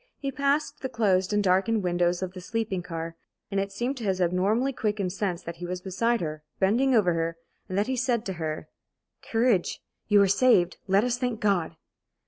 He passed the closed and darkened windows of the sleeping car; and it seemed to his abnormally quickened sense that he was beside her, bending over her, and that he said to her: "Courage! You are saved! Let us thank God!"